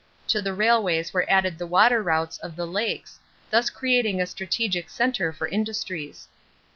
To the railways were added the water routes of the Lakes, thus creating a strategic center for industries.